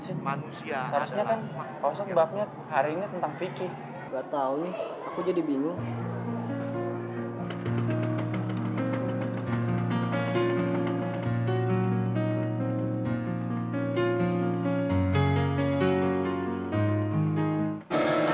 sih manusia harusnya kan ustadz babnya hari ini tentang vicky enggak tahu nih aku jadi bingung